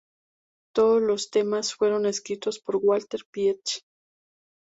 Todos los temas fueron escritos por Walter Pietsch.